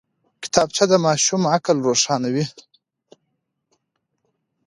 کتابچه د ماشوم عقل روښانوي